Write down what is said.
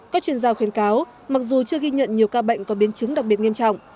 các chuyên gia khuyến cáo mặc dù chưa ghi nhận nhiều ca bệnh có biến chứng đặc biệt nghiêm trọng